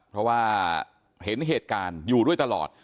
เพราะว่าเห็นเหตุการณ์อยู่ด้วยตลอด